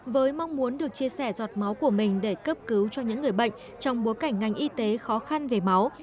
với mong muốn được chia sẻ giọt máu của mình để cấp cứu cho những người bệnh trong bối cảnh ngành y tế khó khăn về máu